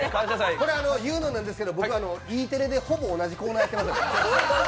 言うのあれですけど、僕、Ｅテレでほぼ同じ番組やってます。